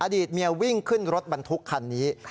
อดีตเมียวิ่งขึ้นรถบรรทุกคันนี้